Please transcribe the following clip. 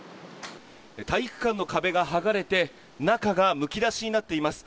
体育館の壁が剥がれて、中がむき出しになっています。